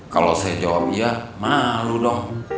kalau saya jawab iya malu dong